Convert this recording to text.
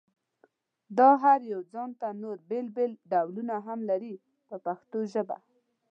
دا هر یو ځانته نور بېل بېل ډولونه هم لري په پښتو ژبه.